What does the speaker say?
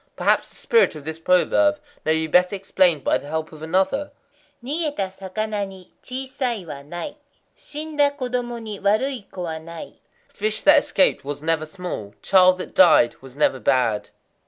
Perhaps the spirit of this proverb may be better explained by the help of another: Nigéta sakana ni chisai wa nai; shinda kodomo ni warui ko wa nai—"Fish that escaped was never small; child that died was never bad."